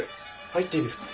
入っていいですか？